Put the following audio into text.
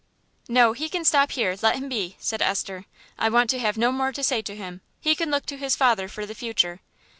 "No, he can stop here; let him be," said Esther. "I want to have no more to say to him, he can look to his father for the future."